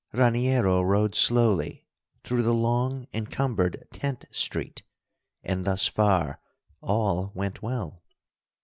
Raniero rode slowly through the long, encumbered tent street, and thus far all went well.